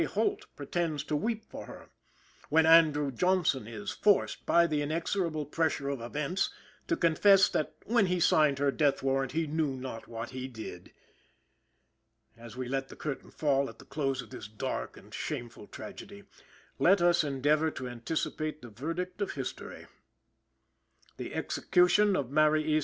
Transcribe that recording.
Holt pretends to weep for her; when Andrew Johnson is forced, by the inexorable pressure of events, to confess that when he signed her death warrant he knew not what he did. As we let fall the curtain at the close of this dark and shameful tragedy, let us endeavor to anticipate the verdict of history. The execution of Mary E.